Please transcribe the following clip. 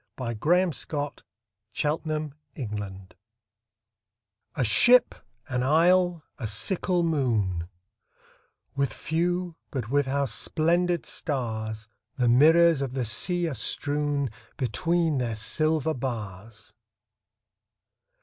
Eliot A SHIP, AN ISLE, A SICKLE MOON A SHIP, an isle, a sickle moon With few but with how splendid stars The mirrors of the sea are strewn Between their silver bars